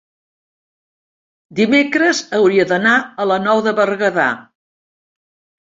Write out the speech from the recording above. dimecres hauria d'anar a la Nou de Berguedà.